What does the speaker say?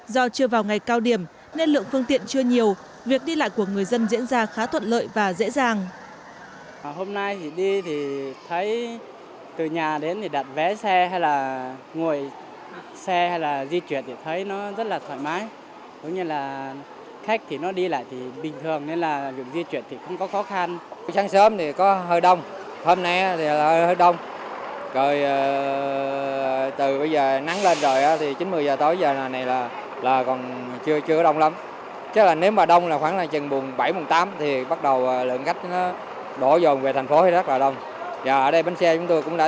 do chưa vào ngày cao điểm nên lượng phương tiện chưa nhiều việc đi lại của người dân diễn ra khá thuận lợi và dễ dàng